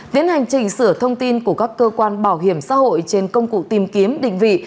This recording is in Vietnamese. tiến hành chỉnh sửa thông tin của các cơ quan bảo hiểm xã hội trên công cụ tìm kiếm định vị